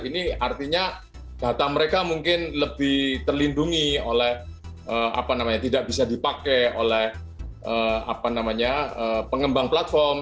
ini artinya data mereka mungkin lebih terlindungi oleh apa namanya tidak bisa dipakai oleh pengembang platform